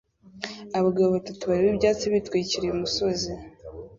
Abagabo batatu bareba ibyatsi bitwikiriye umusozi